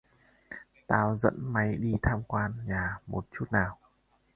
Tao dẫn máy đi tham quan nhà một chút đi nào